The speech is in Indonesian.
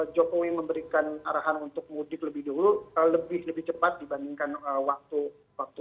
jokowi memberikan arahan untuk mudik lebih dulu lebih cepat dibandingkan waktu